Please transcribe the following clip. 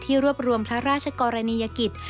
รวบรวมพระราชกรณียกิจ